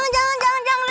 jangan jangan jangan